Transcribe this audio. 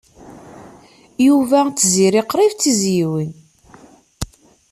Yuba d Tiziri qrib d tizzyiwin.